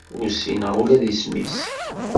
Ur ssineɣ ula d isem-is.